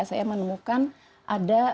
saya menemukan ada